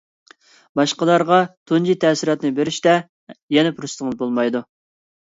باشقىلارغا تۇنجى تەسىراتنى بېرىشتە يەنە پۇرسىتىڭىز بولمايدۇ.